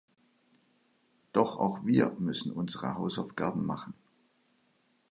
Doch auch wir müssen unsere Hausaufgaben machen.